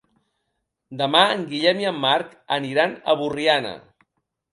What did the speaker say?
Demà en Guillem i en Marc aniran a Borriana.